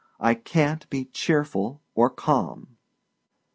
I canât be cheerful or calm.